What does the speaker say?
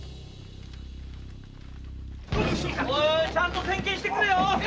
ちゃんと点検してくれよ。